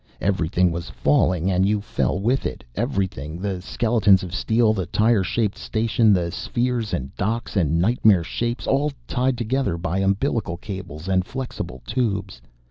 Everything was falling, and you fell, with it. Everything. The skeletons of steel, the tire shaped station, the spheres and docks and nightmare shapes all tied together by umbilical cables and flexible tubes.